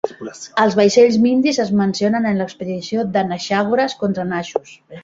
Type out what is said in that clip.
Els vaixells mindis es mencionen en l'expedició d'Anaxàgores contra Naxos.